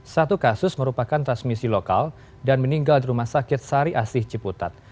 satu kasus merupakan transmisi lokal dan meninggal di rumah sakit sari asih ciputat